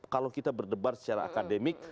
kalau kita berdebar secara akademik